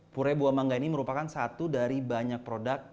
pure buah mangga ini merupakan satu dari banyak produk